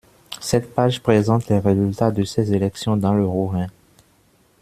Cette page présente les résultats de ces élections dans le Haut-Rhin.